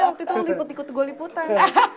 waktu itu liput ikut gue liputan